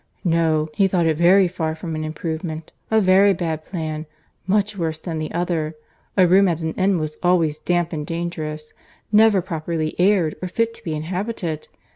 "No; he thought it very far from an improvement—a very bad plan—much worse than the other. A room at an inn was always damp and dangerous; never properly aired, or fit to be inhabited.